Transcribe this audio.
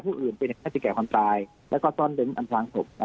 พวกอื่นเป็นเก่าที่แก่ความตายแล้วก็ซ่อนดึงกันพร้างสุดนะ